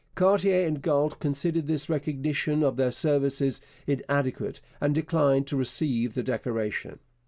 Cartier and Galt considered this recognition of their services inadequate and declined to receive the decoration.